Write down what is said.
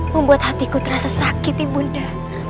membuat hatiku terasa sakit ibunda